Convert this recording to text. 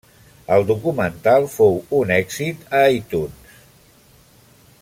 El documental fou un èxit a iTunes.